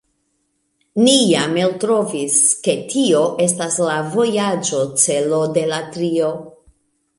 Ni jam eltrovis, ke tio estas la vojaĝocelo de la trio.